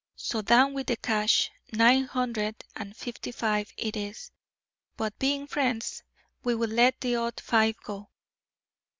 So down with the cash. Nine hundred and fifty five it is, but, being friends, we will let the odd five go."